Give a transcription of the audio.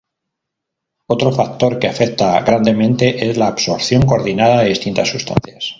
Otro factor que afecta grandemente es la absorción coordinada de distintas sustancias.